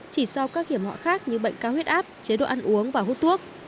chỉ so với các hiểm họa khác như bệnh cao huyết áp chế độ ăn uống và hút thuốc